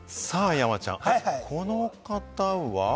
山ちゃん、この方は？